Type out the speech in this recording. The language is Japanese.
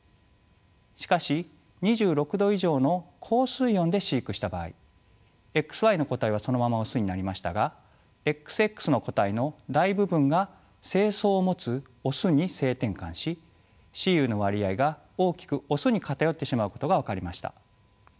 しかし２６度以上の高水温で飼育した場合ＸＹの個体はそのままオスになりましたがＸＸの個体の大部分が精巣を持つオスに性転換し雌雄の割合が大きくオスに偏ってしまうことが分かりました。